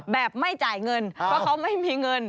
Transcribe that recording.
ไม่จ่ายเงินเพราะเขาไม่มีเงิน